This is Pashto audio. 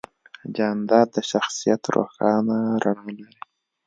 جانداد د شخصیت روښانه رڼا لري.